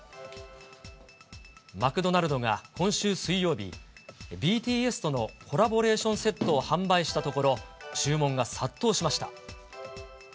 マクドナルドが今週水曜日、ＢＴＳとのコラボレーションセットを販売したところ、注文が殺到しました。